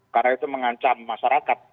karena itu mengancam masyarakat